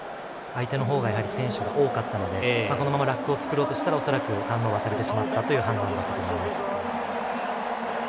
相手の方が選手が多かったのでこのままラックを作ろうとしたら恐らく、ターンオーバーをされてしまったという判断だと思います。